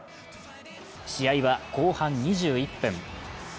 試合は後半２１分。